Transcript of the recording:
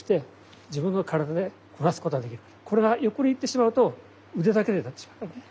これが横に行ってしまうと腕だけでなってしまうね。